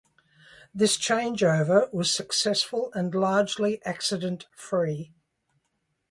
This change over was successful and largely accident free.